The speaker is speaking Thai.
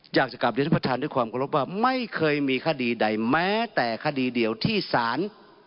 อยากจะกลับเรียนท่านประธานด้วยความเคารพว่าไม่เคยมีคดีใดแม้แต่คดีเดียวที่ศาล